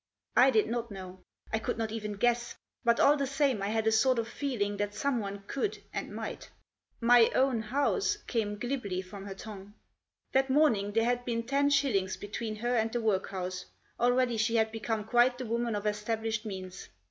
I did not know. I could not even guess. But all the same I had a sort of feeling that someone could — and might. 44 My own house " came glibly from her tongue. That morning there had been ten shillings between her and the workhouse; already she had become quite the woman of established means.